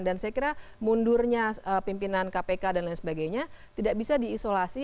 dan saya kira mundurnya pimpinan kpk dan lain sebagainya tidak bisa diisolasi